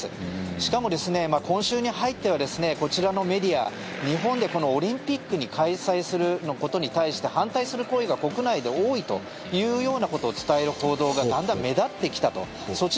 しかも、今週に入ってはこちらのメディア日本でオリンピックを開催することに対して反対する声が国内で多いというようなことを伝える報道がだんだん目立ってきたと。